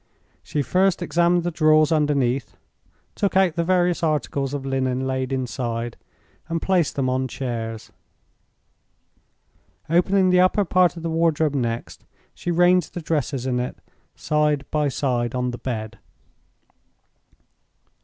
She first examined the drawers underneath, took out the various articles of linen laid inside, and placed them on chairs. Opening the upper part of the wardrobe next, she ranged the dresses in it side by side on the bed.